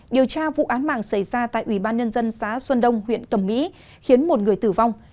điều tra vụ án mạng xảy ra tại ubnd xã xuân đông huyện cẩm mỹ khiến một người tử vong